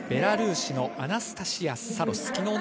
２人目はベラルーシのアナスタシヤ・サロス。